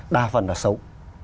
đa phần là xấu